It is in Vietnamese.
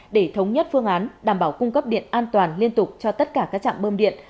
để thống nhất phương án đảm bảo cung cấp điện an toàn liên tục cho tất cả các trạm bơm điện